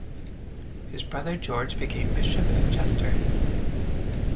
His brother George became Bishop of Chester.